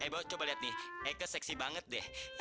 eh bo coba lihat nih eike seksi banget deh